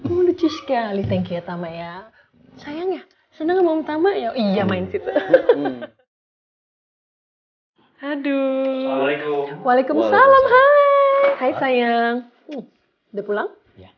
aduh waalaikumsalam hai hai sayang udah pulang